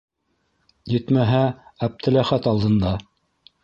Етмәһә, Әптеләхәт алдында!